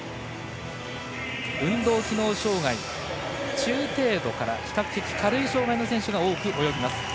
運動機能障がい、中程度から比較的、軽い障がいの選手が多く泳ぎます。